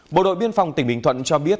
bộ đội biên phòng tỉnh bình thuận cho biết